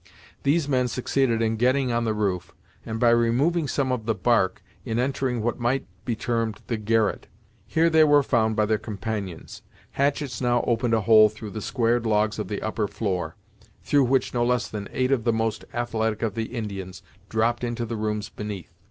These men succeeded in getting on the roof, and by removing some of the bark, in entering what might be termed the garret. Here they were found by their companions. Hatchets now opened a hole through the squared logs of the upper floor, through which no less than eight of the most athletic of the Indians dropped into the rooms beneath.